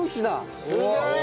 すげえ！